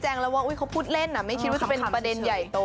แล้วว่าเขาพูดเล่นไม่คิดว่าจะเป็นประเด็นใหญ่โต